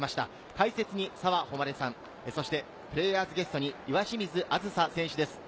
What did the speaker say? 解説に澤穂希さん、そしてプレーヤーズゲストに岩清水梓選手です。